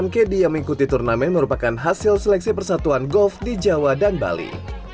delapan kd yang mengikuti turnamen merupakan hasil seleksi persatuan golf di jawa dan bali